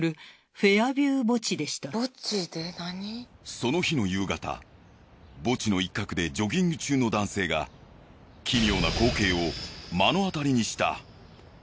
その日の夕方墓地の一角でジョギング中の男性が奇妙な光景を目の当たりにした。